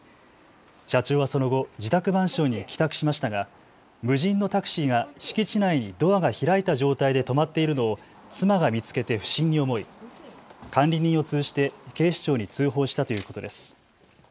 社長はその後、自宅マンションに帰宅しましたが無人のタクシーが敷地内にドアが開いた状態で止まっているのを妻が見つけて不審に思い管理人を通じて警視庁に通報したということです。